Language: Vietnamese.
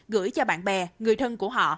gửi cho bạn bè người thân của họ